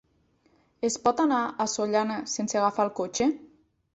Es pot anar a Sollana sense agafar el cotxe?